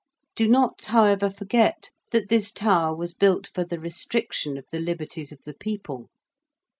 Do not, however, forget that this Tower was built for the restriction of the liberties of the people.